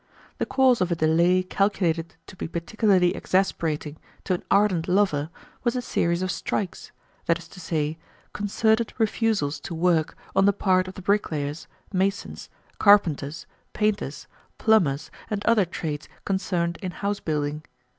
The cause of a delay calculated to be particularly exasperating to an ardent lover was a series of strikes, that is to say, concerted refusals to work on the part of the brick layers, masons, carpenters, painters, plumbers, and other trades concerned in house building.